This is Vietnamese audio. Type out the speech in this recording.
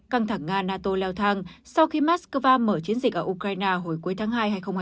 căng thẳng nga nato leo thang sau khi mắc cơ va mở chiến dịch ở ukraine hồi cuối tháng hai